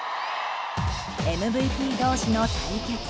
ＭＶＰ同士の対決。